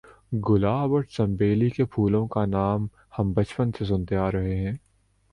گلاب اور چنبیلی کے پھولوں کا نام ہم بچپن سے سنتے آ رہے ہیں